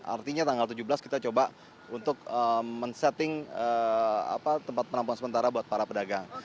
artinya tanggal tujuh belas kita coba untuk men setting tempat penampungan sementara buat para pedagang